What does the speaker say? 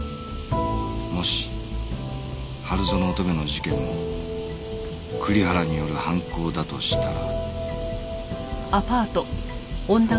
もし春薗乙女の事件も栗原による犯行だとしたら